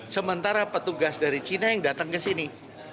sementara petugas dari cina yang datang ke sini